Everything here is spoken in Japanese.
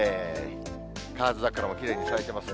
河津桜もきれいに咲いてます。